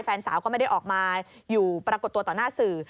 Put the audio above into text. แฟนสาวก็ไม่ได้ออกมาอยู่ปรากฏตัวต่อหน้าสื่อ